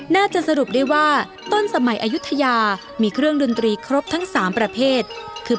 น่าจะสรุปได้ว่าต้นสมัยอายุทยามีเครื่องดนตรีครบทั้ง๓ประเภทคือ